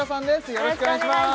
よろしくお願いします